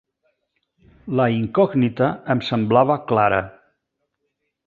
La incògnita em semblava clara.